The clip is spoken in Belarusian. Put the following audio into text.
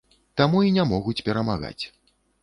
Таму і не могуць перамагаць.